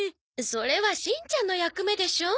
それはしんちゃんの役目でしょ？